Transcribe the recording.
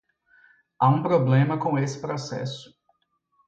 Há um problema com esse processo.